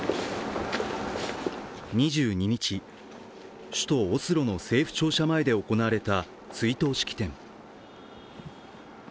２２日、首都オスロの政府庁舎前で行われた追悼式典。